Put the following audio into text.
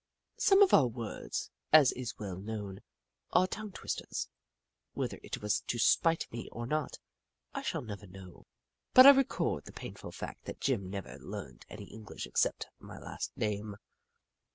Some of our words, as is well known, are tongue twisters. Whether it was to spite me or not, I shall never know, but I record the painful fact that Jim never learned any English except my last name.